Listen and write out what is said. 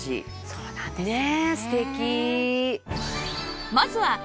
そうなんですよね！